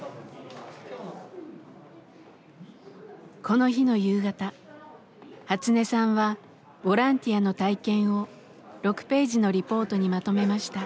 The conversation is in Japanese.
この日の夕方ハツネさんはボランティアの体験を６ページのリポートにまとめました。